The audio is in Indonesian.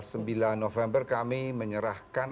sembilan november kami menyerahkan